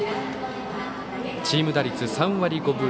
チーム打率３割５分６厘。